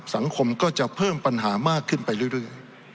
สังคมก็จะเพิ่มปัญหามากขึ้นไปเรื่อย